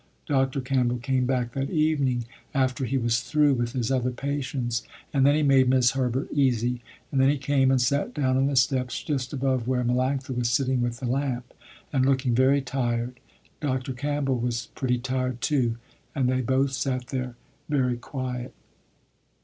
Dr. Campbell came back that evening, after he was through with his other patients, and then he made 'Mis' Herbert easy, and then he came and sat down on the steps just above where Melanctha was sitting with the lamp, and looking very tired. Dr. Campbell was pretty tired too, and they both sat there very quiet.